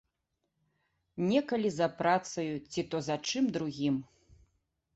Некалі за працаю ці то за чым другім.